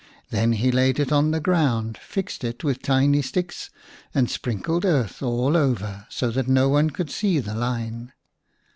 Then he laid it on the ground, fixed it with tiny sticks, and sprinkled earth all over, so that no one could see the line.